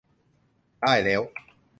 ได้แล้ว